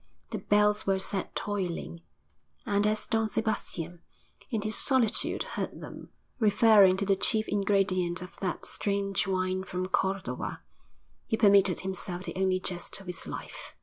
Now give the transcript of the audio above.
The bells were set tolling, and as Don Sebastian, in his solitude, heard them, referring to the chief ingredient of that strange wine from Cordova, he permitted himself the only jest of his life.